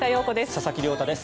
佐々木亮太です。